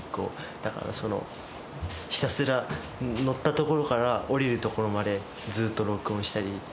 だからひたすら乗った所から降りる所まで、ずっと録音したり。